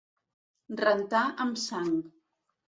Rentar amb sang.